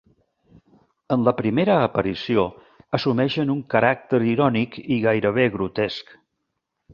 En la primera aparició assumeixen un caràcter irònic i gairebé grotesc.